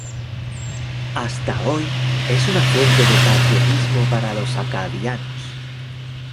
Hasta hoy es una fuente de patriotismo para los acadianos.